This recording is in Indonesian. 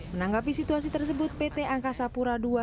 menanggapi situasi tersebut pt angkasa pura ii